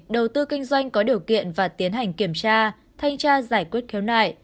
đầu tư kinh doanh có điều kiện và tiến hành kiểm tra thanh tra giải quyết khiếu nại